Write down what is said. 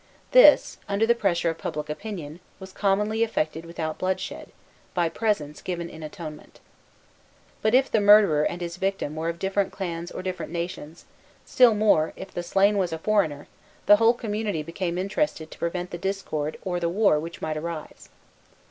This, under the pressure of public opinion, was commonly effected without bloodshed, by presents given in atonement. But if the murderer and his victim were of different clans or different nations, still more, if the slain was a foreigner, the whole community became interested to prevent the discord or the war which might arise.